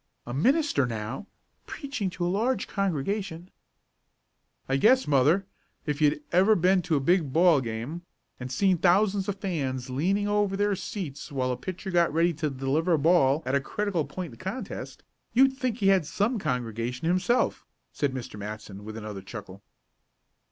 A minister now, preaching to a large congregation " "I guess, mother, if you'd ever been to a big ball game, and seen thousands of fans leaning over their seats while the pitcher got ready to deliver a ball at a critical point in the contest, you'd think he had some congregation himself," said Mr. Matson, with another chuckle.